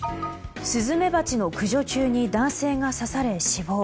スズメバチの駆除中に男性が刺され、死亡。